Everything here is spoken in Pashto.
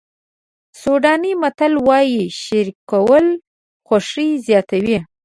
سوډاني متل وایي شریکول خوښي زیاتوي.